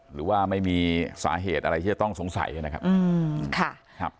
หรือว่าไม่มีสาเหตุอะไรที่จะต้องสงสัยนะครับ